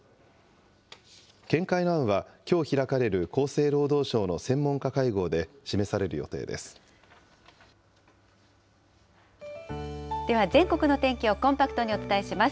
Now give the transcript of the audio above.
見解の案は、きょう開かれる厚生労働省の専門家会合で示される予では全国の天気をコンパクトにお伝えします。